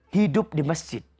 hidup di masjid